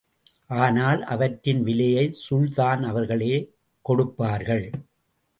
ஆனால், அவற்றின் விலையை சுல்தான் அவர்களே கொடுப்பார்கள்.